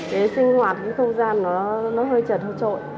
để sinh hoạt cái không gian nó hơi chật hơi trội